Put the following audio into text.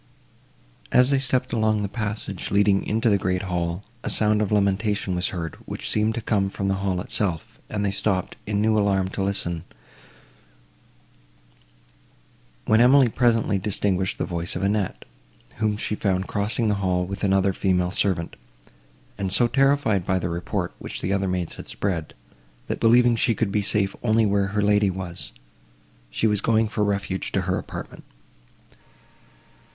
As they stepped along the passage, leading into the great hall, a sound of lamentation was heard, which seemed to come from the hall itself, and they stopped in new alarm to listen, when Emily presently distinguished the voice of Annette, whom she found crossing the hall, with another female servant, and so terrified by the report, which the other maids had spread, that, believing she could be safe only where her lady was, she was going for refuge to her apartment.